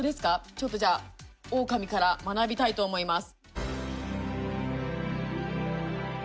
ちょっと、じゃあオオカミから学びたいと思います。